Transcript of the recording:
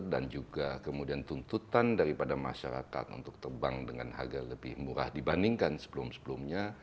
dan juga kemudian tuntutan daripada masyarakat untuk terbang dengan harga lebih murah dibandingkan sebelum sebelumnya